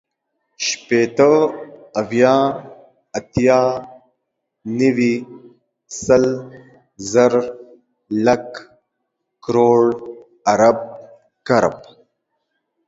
شپېته، اويا، اتيا، نيوي، سل، زر، لک، کروړ، ارب، کرب